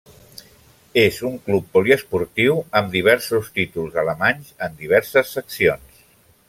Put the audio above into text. És un club poliesportiu, amb diversos títols alemanys en diverses seccions.